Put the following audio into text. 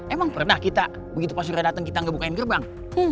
emang pernah kita begitu pak surya datang kita ngebukain gerbang